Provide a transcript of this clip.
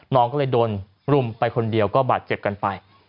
น้องก็เลยโดนรุมไปคนเดียวก็บาดเจ็บกันไป